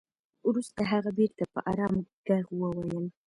وروسته هغه بېرته په ارام ږغ وويل.